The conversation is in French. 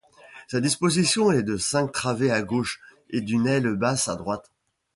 Sa disposition est de cinq travées à gauche et d’une aile basse à droite.